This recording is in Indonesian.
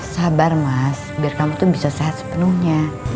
sabar mas biar kamu tuh bisa sehat sepenuhnya